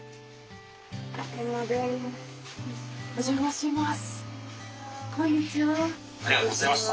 お邪魔します。